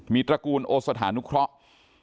มีตระกูลโอสถานุเคราะห์